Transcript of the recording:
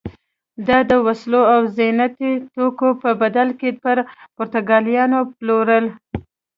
دا د وسلو او زینتي توکو په بدل کې پر پرتګالیانو پلورل.